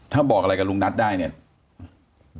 ถ้าบอกอะไรกับลุงนัทได้เนี่ย